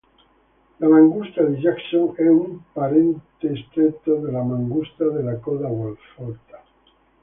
La mangusta di Jackson è un parente stretto della mangusta dalla coda folta.